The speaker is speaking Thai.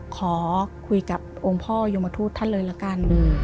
ขอคุยกับองค์พ่อยมทูตท่านเลยละกัน